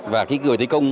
và khi gửi tới công